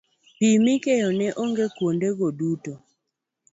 pi mikeyo ne onge kuondego duto